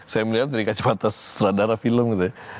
saya melihat dari kacamata sutradara film gitu ya